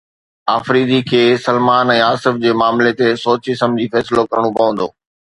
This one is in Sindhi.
آفريدي کي سلمان ۽ آصف جي معاملي تي سوچي سمجهي فيصلو ڪرڻو پوندو